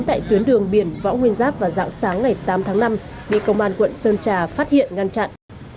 tại tuyến đường biển võ nguyên giáp vào dạng sáng ngày tám tháng năm bị công an quận sơn trà phát hiện ngăn chặn